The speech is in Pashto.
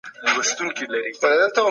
اقتصادي مطالبه قانوني حق دی.